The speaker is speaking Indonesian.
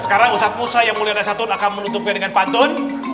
sekarang usapusah yang mulia nasatun akan menutupi dengan pantun